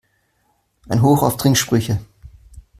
Ein Hoch auf Trinksprüche!